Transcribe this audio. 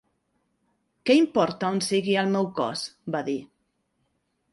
"Què importa on sigui el meu cos?", va dir.